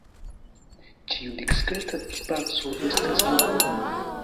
Ĉiu diskreta spaco estas regula.